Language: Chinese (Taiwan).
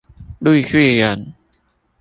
綠巨人